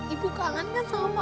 ibu kangen kan sama